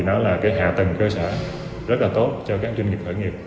nó là cái hạ tầng cơ sở rất là tốt cho các doanh nghiệp khởi nghiệp